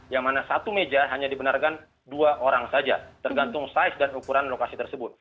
yang mana satu meja hanya dibenarkan dua orang saja tergantung size dan ukuran lokasi tersebut